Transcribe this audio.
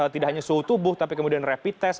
tidak hanya suhu tubuh tapi kemudian rapid test